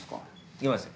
行きますよ。